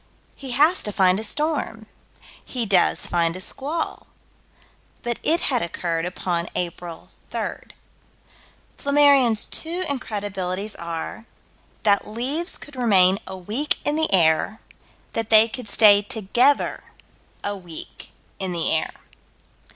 He has to find a storm. He does find a squall but it had occurred upon April 3rd. Flammarion's two incredibilities are that leaves could remain a week in the air: that they could stay together a week in the air.